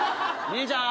兄ちゃん。